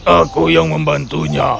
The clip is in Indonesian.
aku yang membantunya